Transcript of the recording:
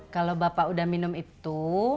kalau bapak udah minum itu